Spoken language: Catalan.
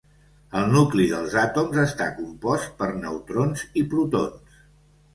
El nucli dels àtoms està compost per neutrons i protons.